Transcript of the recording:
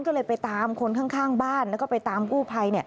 ก็เลยไปตามคนข้างบ้านแล้วก็ไปตามกู้ภัย